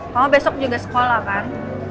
kamu besok juga sekolah kan